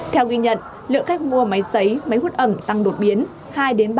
theo ghi nhận lượng cách mua máy xấy máy hút ẩm tăng đột biến